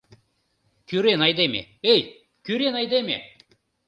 — Кӱрен айдеме, эй, кӱрен айдеме!